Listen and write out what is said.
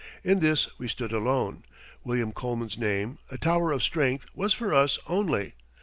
In this we stood alone; William Coleman's name, a tower of strength, was for us only.